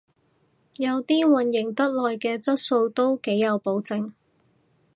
有啲營運得耐嘅質素都幾有保證